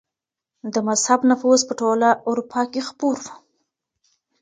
د مذهب نفوذ په ټوله اروپا کي خپور و.